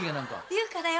優香だよ。